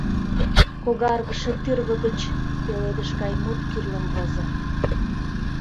Когаргыше тӱрвӧ гыч пеледыш гай мут кӱрлын возо.